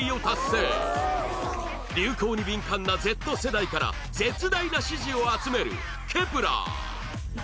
流行に敏感な Ｚ 世代から絶大な支持を集める Ｋｅｐ１ｅｒ